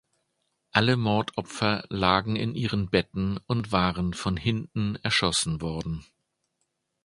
Alle Mordopfer lagen in ihren Betten und waren von hinten erschossen worden.